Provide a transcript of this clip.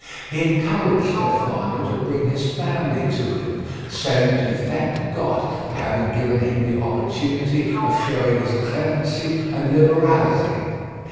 He encouraged Stefano to bring his family to him, saying that he thanked God for having given him the opportunity of showing his clemency and liberality.